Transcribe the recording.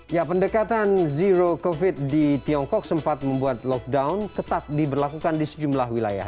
ya pendekatan zero covid di tiongkok sempat membuat lockdown ketat diberlakukan di sejumlah wilayah